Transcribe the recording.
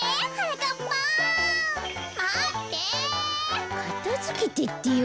かたづけてってよ